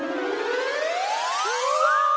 うわ！